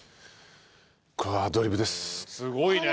すごいね。